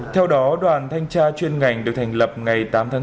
theo đó đoàn thanh tra chuyên ngành được thành lập ngày tám tháng bốn